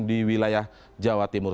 di wilayah jawa timur